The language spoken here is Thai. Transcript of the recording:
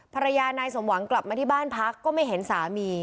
ภรรยานายสมหวังกลับมาที่บ้านพักก็ไม่เห็นสามี